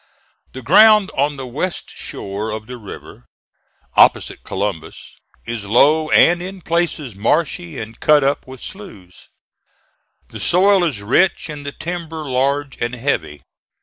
The ground on the west shore of the river, opposite Columbus, is low and in places marshy and cut up with sloughs. The soil is rich and the timber large and heavy.